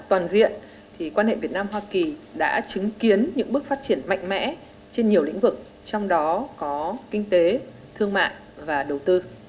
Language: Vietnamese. toàn diện thì quan hệ việt nam hoa kỳ đã chứng kiến những bước phát triển mạnh mẽ trên nhiều lĩnh vực trong đó có kinh tế thương mại và đầu tư